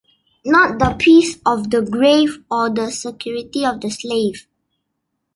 Not the peace of the grave or the security of the slave.